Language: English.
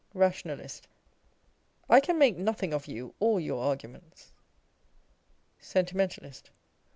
nationalist. I can make nothing of you or your argu ments. Sentimentalist.